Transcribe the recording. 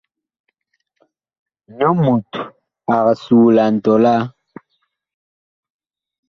Nyɔ mut ag suulan tɔlaa.